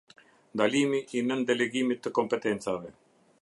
Ndalimi i nën delegimit të kompetencave.